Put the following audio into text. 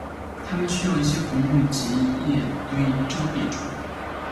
它们需要一些浮木及叶堆遮蔽处。